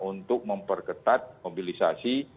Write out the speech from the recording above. untuk memperketat mobilisasi